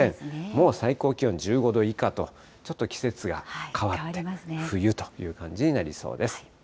もう最高気温１５度以下と、ちょっと季節が変わって冬という感じになりそうです。